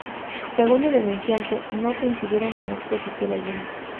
Según el denunciante, "no coincidieron con acto oficial alguno".